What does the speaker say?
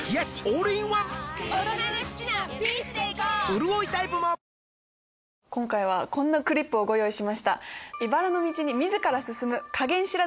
うるおいタイプも今回はこんなクリップをご用意しました。